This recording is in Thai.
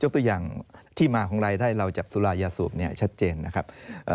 ตัวอย่างที่มาของรายได้เราจากสุรายาสูบเนี่ยชัดเจนนะครับ